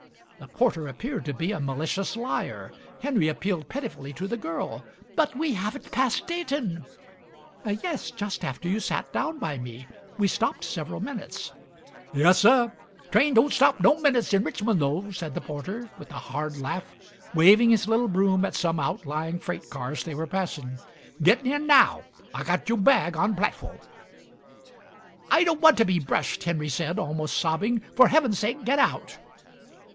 The porter appeared to be a malicious liar. Henry appealed pitifully to the girl. "But we haven't passed Dayton?" "Yes, just after you sat down by me. We stopped several minutes." "Yessuh. Train don't stop no minutes in Rich mon' though," said the porter with a hard laugh, waving his little broom at some outlying freight cars they were passing. "Gittin' in now. I got you' bag on platfawm." Digitized by Google 158 MARY SMITH "I don't want to be brushed," Henry said, almost sobbing. "For heaven's sake, get out!"